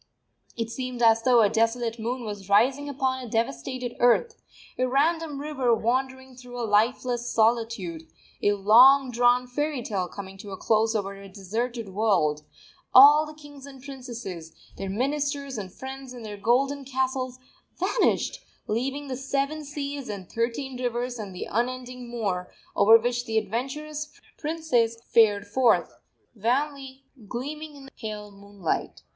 It seemed as though a desolate moon was rising upon a devastated earth; a random river wandering through a lifeless solitude; a long drawn fairy tale coming to a close over a deserted world, all the kings and the princesses, their ministers and friends and their golden castles vanished, leaving the Seven Seas and Thirteen Rivers and the Unending Moor, over which the adventurous princes fared forth, wanly gleaming in the pale moonlight.